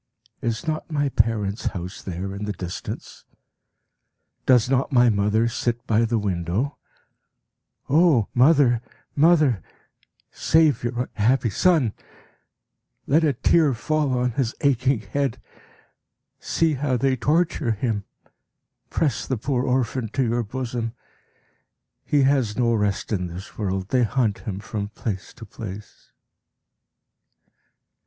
Is not my parents' house there in the distance? Does not my mother sit by the window? O mother, mother, save your unhappy son! Let a tear fall on his aching head! See how they torture him! Press the poor orphan to your bosom! He has no rest in this world; they hunt him from place to place.